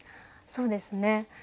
そうですね。